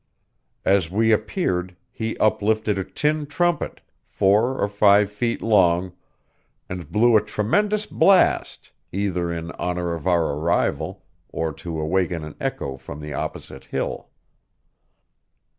As we appeared, he uplifted a tin trumpet, four or five feet long, and blew a tremendous blast, either in honor of our arrival or to awaken an echo from the opposite hill.